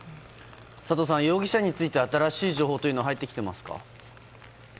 佐藤さん、容疑者について新しい情報というのは入ってきてますか？